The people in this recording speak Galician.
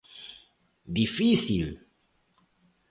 Difícil?